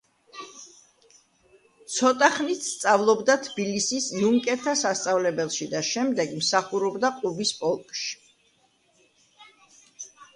ცოტა ხნით სწავლობდა თბილისის იუნკერთა სასწავლებელში და შემდეგ მსახურობდა ყუბის პოლკში.